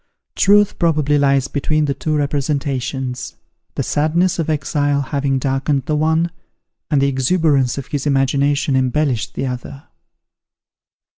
Truth, probably, lies between the two representations; the sadness of exile having darkened the one, and the exuberance of his imagination embellished the other.